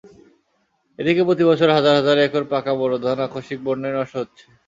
এদিকে প্রতিবছর হাজার হাজার একর পাকা বোরো ধান আকস্মিক বন্যায় নষ্ট হচ্ছে।